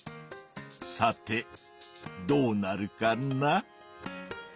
さてどうなるかな？